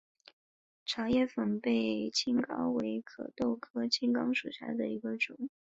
长叶粉背青冈为壳斗科青冈属下的一个种。